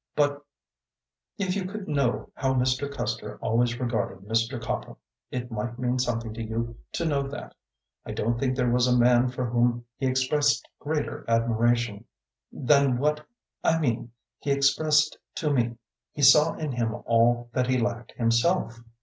But if you could know how Mr. Custer always regarded Mr. Copple! It might mean something to you to know that. I don't think there was a man for whom he expressed greater admiration than what, I mean, he expressed to me. He saw in him all that he lacked himself.